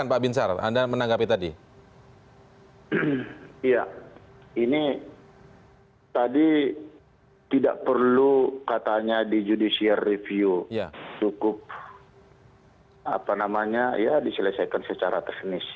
perlu katanya di judicial review cukup diselesaikan secara teknis